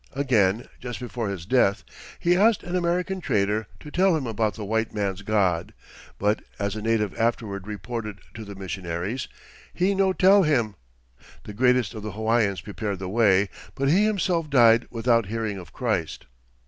Again, just before his death, he asked an American trader to tell him about the white man's God, but, as a native afterward reported to the missionaries, "He no tell him." This greatest of the Hawaiians prepared the way, but he himself died without hearing of Christ.